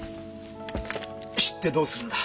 知ってどうするんだ？